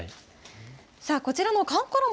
さあ、こちらのかんころ